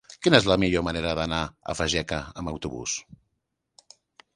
Quina és la millor manera d'anar a Fageca amb autobús?